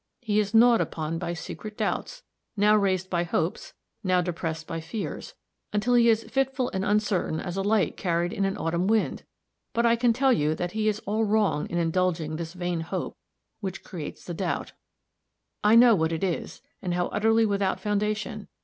He is gnawed upon by secret doubts now raised by hopes, now depressed by fears, until he is fitful and uncertain as a light carried in an autumn wind. But I can tell you that he is all wrong in indulging this vain hope, which creates the doubt. I know what it is, and how utterly without foundation.